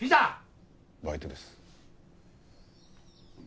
バイトです。